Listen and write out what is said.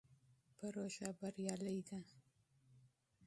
پروژه بریالۍ ده.